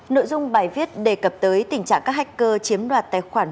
nội dung bài viết đề cập tới tình trạng các hacker chiếm đoạt tài khoản